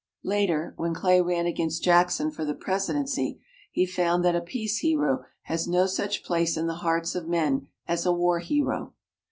Later, when Clay ran against Jackson for the Presidency he found that a peace hero has no such place in the hearts of men as a war hero.